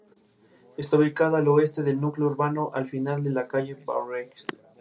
Está ubicada al oeste del núcleo urbano, al final de la calle Berruguete.